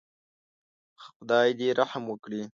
خدای دې رحم وکړي.